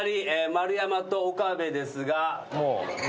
丸山と岡部ですが。